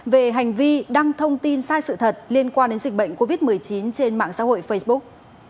về hành vi đăng thông tin sai sự thật liên quan đến dịch bệnh covid một mươi chín trên mạng xã hội facebook